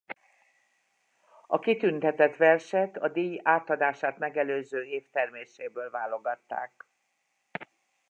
A kitüntetett verset a díj átadását megelőző év terméséből válogatták.